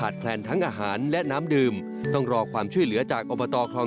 สวัสดีครับ